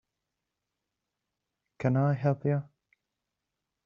Can I help you?